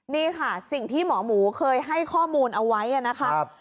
นี่ค่ะสิ่งที่หมอหมูเคยให้ข้อมูลเอาไว้นะครับ